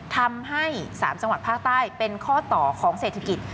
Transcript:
ทำให้๓จังหวัดภาคใต้เป็นข้อต่อของเศรษฐกิจ